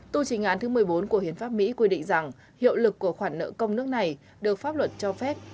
tu trình án thứ một mươi bốn của hiến pháp mỹ quy định rằng hiệu lực của khoản nợ công nước này được pháp luật cho phép